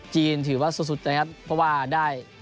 ถือว่าสุดนะครับเพราะว่าได้